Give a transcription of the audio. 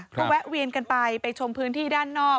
ก็แวะเวียนกันไปไปชมพื้นที่ด้านนอก